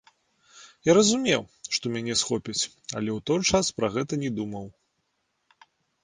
Я разумеў, што мяне схопяць, але ў той час пра гэта не думаў.